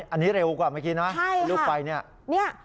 อันนี้เร็วกว่าเมื่อกี้นะ